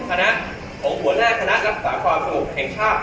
คณะของหัวหน้าคณะรักษาความสงบแห่งชาติ